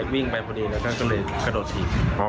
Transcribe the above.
วิ่งไปพอดีแล้วท่านก็เลยกระโดดถีบ